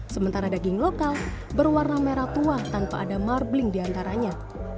sementara daging lokal berwarna merah tua tanpa ada marbling diantaranya